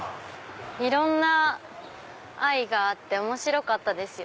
いろんな愛があって面白かった。